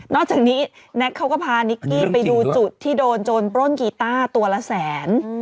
อกจากนี้แน็กเขาก็พานิกกี้ไปดูจุดที่โดนโจรปล้นกีต้าตัวละแสน